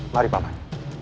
mari pak man